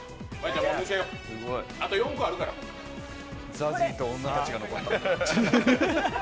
ＺＡＺＹと女たちが残った。